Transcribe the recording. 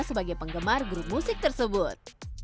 sebagai penggemar grup musik tersebut